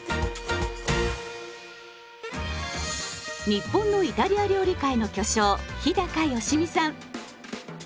日本のイタリア料理界の巨匠日良実さん。